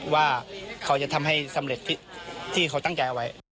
ว่าเขาจะทำให้สำเร็จที่เขาตั้งใจเอาไว้